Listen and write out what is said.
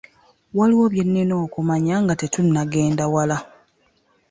waliwo bye nnina okumanya nga tetunnagenda wala.